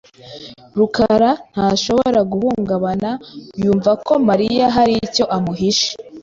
rukara ntashobora guhungabana yumva ko Mariya hari icyo amuhishe .